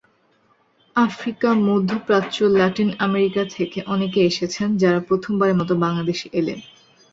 Africa, মধ্যপ্রাচ্য, Latin America থেকে অনেকেই এসেছেন, যাঁরা প্রথমবারের মতো বাংলাদেশে এলেন।